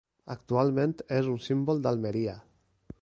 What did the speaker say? Actualment és un símbol d'Almeria.